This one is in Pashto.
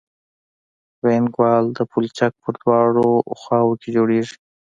وینګ وال د پلچک په دواړو خواو کې جوړیږي